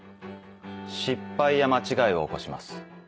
失敗や間違いを起こします。